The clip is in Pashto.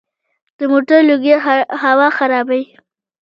د موټرو لوګی هوا خرابوي.